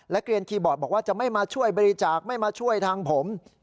เกลียนคีย์บอร์ดบอกว่าจะไม่มาช่วยบริจาคไม่มาช่วยทางผม